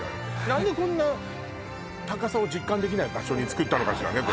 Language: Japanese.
何でこんな高さを実感できない場所につくったのかしらね